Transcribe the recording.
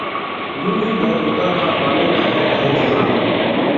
یوں ہی گر روتا رہا غالب! تو اے اہلِ جہاں